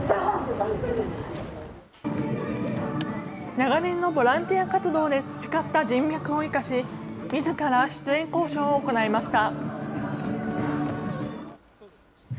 長年のボランティア活動で培った人脈を生かし、みずから出演交渉を行いました。